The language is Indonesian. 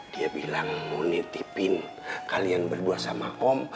dia bilang munitipin kalian berdua sama om